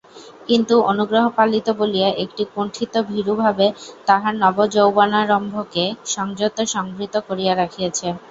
কিন্তু অনুগ্রহপালিত বলিয়া একটি কুণ্ঠিত ভীরু ভাবে তাহার নবযৌবনারম্ভকে সংযত সংবৃত করিয়া রাখিয়াছে।